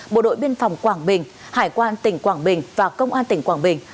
bộ đội biên phòng quảng bình hải quan tỉnh quảng bình và công an tỉnh quảng bình